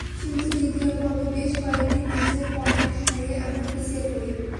কিন্তু দ্বিতীয় পর্বে বেশ কয়েকটি ম্যাচে পয়েন্ট হারিয়ে আমরা পিছিয়ে পড়ি।